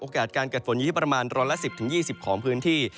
โอกาสการเกิดฝนอยู่ที่ประมาณร้อนละ๑๐๒๐ของพื้นที่